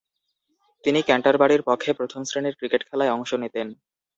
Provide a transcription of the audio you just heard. তিনি ক্যান্টারবারির পক্ষে প্রথম-শ্রেণীর ক্রিকেট খেলায় অংশ নিতেন।